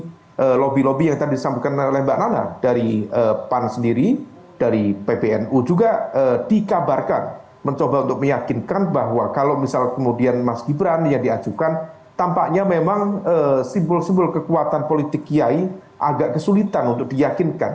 jadi kita bisa melalui lobby lobby yang tadi disambungkan oleh mbak nana dari pan sendiri dari ppnu juga dikabarkan mencoba untuk meyakinkan bahwa kalau misal kemudian mas gibran yang diajukan tampaknya memang simbol simbol kekuatan politik kiai agak kesulitan untuk diyakinkan